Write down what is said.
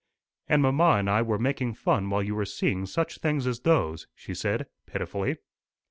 "And mamma and I were making fun while you were seeing such things as those!" she said pitifully.